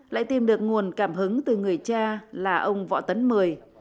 lại tìm được nguồn cảm hứng từ người cha là ông võ tấn mười